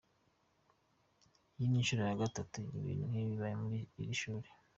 Iyi ni inshuro ya gatatu ibintu nk’ibi bibaye muri iri shuri.